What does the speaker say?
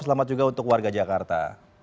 selamat juga untuk warga jakarta